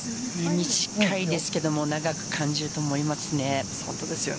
短いですけど長く感じると思います。